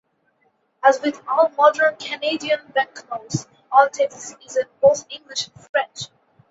As with all modern Canadian banknotes, all text is in both English and French.